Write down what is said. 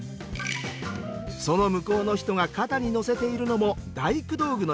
その向こうの人が肩に載せているのも大工道具のようです。